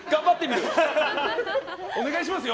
お願いしますよ。